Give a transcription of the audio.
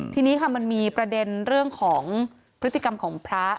ทีนี้ค่ะมันมีประเด็นเรื่องของพฤติกรรมของพระ